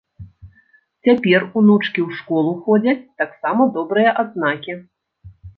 Цяпер унучкі ў школу ходзяць, таксама добрыя адзнакі.